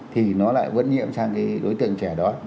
thì nó lại vẫn nhiễm sang cái đối tượng trẻ đó